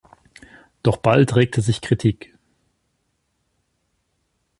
Doch bald regte sich Kritik.